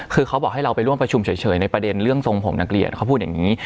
คือเขาบอกให้เราไปร่วมประชุมเฉยในประเด็นเรื่องทรงผมนักเรียนเขาพูดอย่างนี้